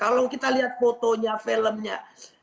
kalau kita lihat fotonya filmnya